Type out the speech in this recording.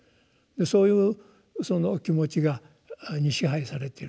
そういうその気持ちに支配されていると。